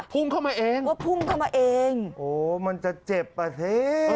พุ่งเข้ามาเองว่าพุ่งเข้ามาเองโอ้มันจะเจ็บอ่ะสิ